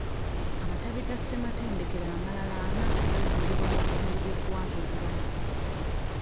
Amatabi ga ssematendekero amalala ana gaazimbibwa mu bitundu by'eggwanga ebirala.